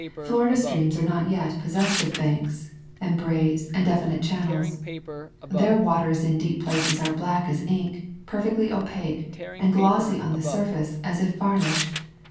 Florida streams are not yet possessed of banks [ 100 ] Florida Swamps and Forests and braes and definite channels. Their waters in deep places are black as ink, perfectly opaque, and glossy on the surface as if var nished.